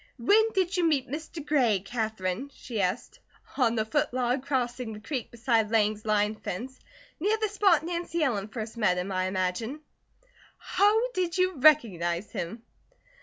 "When did you meet Mr. Gray, Katherine?" she asked. "On the foot log crossing the creek beside Lang's line fence. Near the spot Nancy Ellen first met him I imagine." "How did you recognize him?"